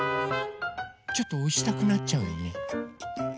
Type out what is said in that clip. ちょっとおしたくなっちゃうよね。